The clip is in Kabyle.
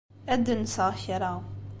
Ad d-nseɣ kra.